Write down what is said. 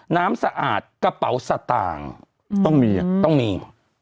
น้ำสะอาดกระเป๋าสะต่างต้องมี